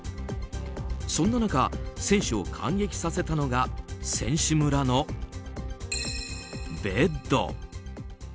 そんな中、選手を感激させたのが選手村のベッド。